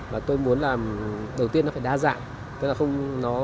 mà tôi muốn là đầu tiên nó phải đa dạng